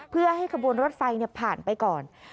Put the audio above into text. เพื่อให้ขบวนรถไฟผ่านไปก่อน